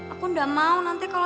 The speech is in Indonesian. aku nggak mau nanti kalau